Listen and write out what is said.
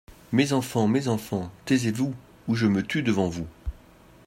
Mes enfants, mes enfants, taisez-vous, ou je me tue devant vous.